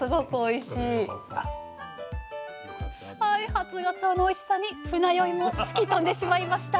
初がつおのおいしさに船酔いも吹き飛んでしまいました！